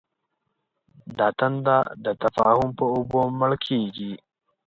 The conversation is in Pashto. دا تنده د تفاهم په اوبو مړ کېږي.